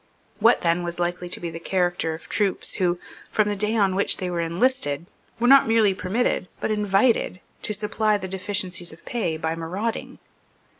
What then was likely to be the character of troops who, from the day on which they enlisted, were not merely permitted, but invited, to supply the deficiencies of pay by marauding?